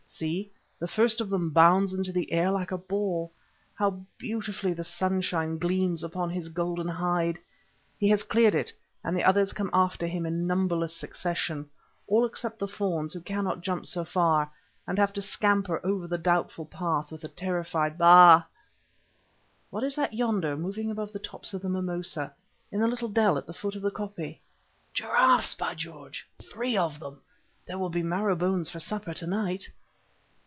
See, the first of them bounds into the air like a ball. How beautifully the sunshine gleams upon his golden hide! He has cleared it, and the others come after him in numberless succession, all except the fawns, who cannot jump so far, and have to scamper over the doubtful path with a terrified bah. What is that yonder, moving above the tops of the mimosa, in the little dell at the foot of the koppie? Giraffes, by George! three of them; there will be marrow bones for supper to night.